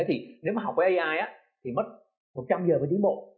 thì nếu mà học với ai thì mất một trăm linh giờ tiến bộ